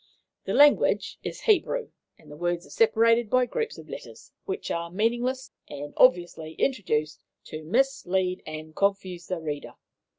'The language is Hebrew, and the words are separated by groups of letters, which are meaningless, and obviously introduced to mislead and confuse the reader.